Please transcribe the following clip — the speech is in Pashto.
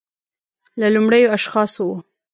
له لومړیو اشخاصو و